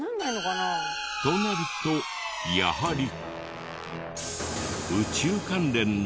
となるとやはり。